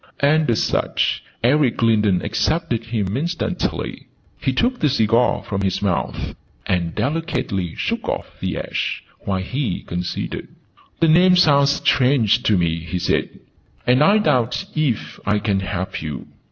And, as such, Eric Lindon accepted him instantly. He took the cigar from his mouth, and delicately shook off the ash, while he considered. "The name sounds strange to me," he said. "I doubt if I can help you?'